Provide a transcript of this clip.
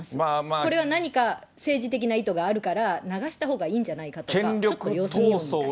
これは何か政治的な意図があるから、流したほうがいいんじゃないかとか、ちょっと様子見ようとか。